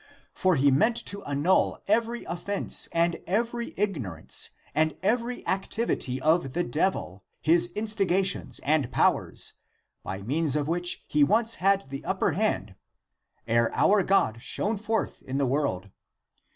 For he meant to annul every offense and every ignorance and every activity of the devil, his instigations and powers, by means of which he once had the upjier hand, ere our God shone forth in the world.